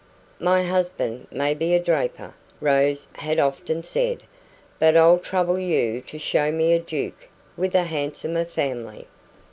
"My husband may be a draper," Rose had often said, "but I'll trouble you to show me a duke with a handsomer family."